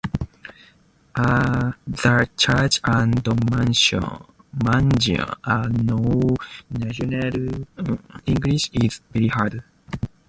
The church and mansion are on the National Register of Historic Places.